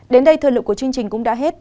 đến đây thời lượng của chương trình cũng đã hết